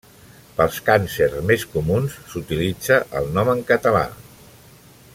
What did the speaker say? Pels càncers més comuns, s'utilitza el nom en català.